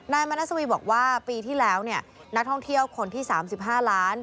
มณัสวีบอกว่าปีที่แล้วเนี่ยนักท่องเที่ยวคนที่๓๕ล้าน